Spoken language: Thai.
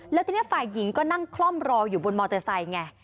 แล้วทีนี้ฝ่ายหญิงก็นั่งคล่อมรออยู่บนมอเตอร์ไซค์ไง